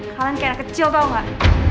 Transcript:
kalian kayak anak kecil tau nggak